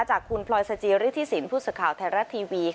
จากคุณพลอยสจีรฤทธิศิลป์พูดสุดข่าวแทรฟ์รัฐทีวี